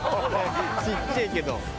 ちっちぇえけど。